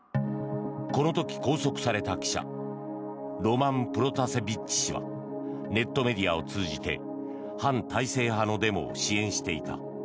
この時拘束された記者ロマン・プロタセビッチ氏はネットメディアを通じて反体制派のデモを支援していた。